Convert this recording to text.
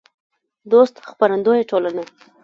دوست خپرندویه ټولنه